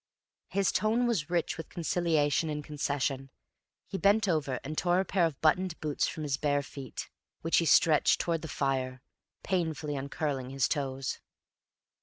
His tone was rich with conciliation and concession; he bent over and tore a pair of button boots from his bare feet, which he stretched towards the fire, painfully uncurling his toes.